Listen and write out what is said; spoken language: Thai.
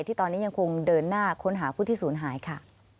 ที่ตอนนี้ยังคงเดินหน้าค้นหาผู้ที่ศูนย์หายค่ะ